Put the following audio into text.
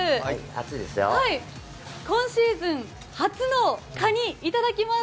今シーズン初のかに、いただきます。